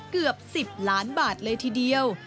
เกือบ๑๐ล้านบาทเลยทีเดียว